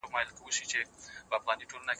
که سړکونه نه وي سوداګري به زیانمنه سي.